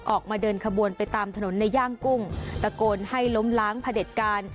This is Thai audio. ออกมาเดินขบวนไปตามถนนในย่างกุ้งตะโกนให้ล้มล้างพระเด็จการ